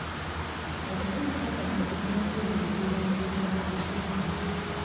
Okutuusa kati ebigambo ebyo tubiwandiika mu bukyamu.